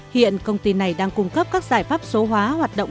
hiện công ty này đang cung cấp các giải pháp số hóa hoạt động